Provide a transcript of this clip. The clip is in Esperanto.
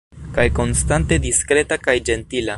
Kaj konstante diskreta kaj ĝentila.